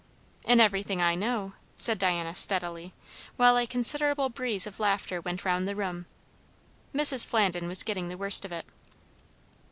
"In everything I know," said Diana steadily, while a considerable breeze of laughter went round the room. Mrs. Flandin was getting the worst of it.